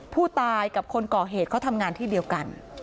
ผู้ตายกับคนก่อเหตุเขาทำงานที่เดียวกัน